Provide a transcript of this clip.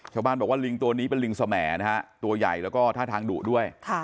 ชาวบ้านบอกว่าลิงตัวนี้เป็นลิงสมแหนะฮะตัวใหญ่แล้วก็ท่าทางดุด้วย